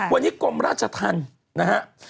วันนี้กรมราชธรรมนะครับ